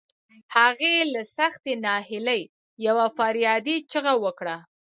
هغې له سختې ناهيلۍ يوه فریادي چیغه وکړه.